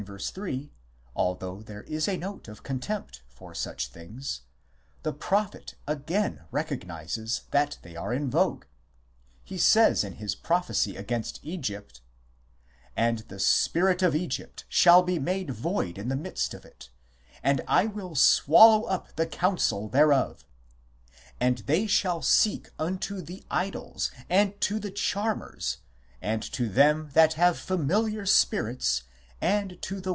3, although there is a note of contempt for such things, the prophet again recognizes that they are in vogue ; he says in his prophecy against Egypt :" And the spirit of Egypt shall be made void in the midst of it ; and I will swallow up the counsel thereof ; and they shall seek unto the idols and to the charmers (marg. "whisperers"), and to them that have familiar spirits, and to the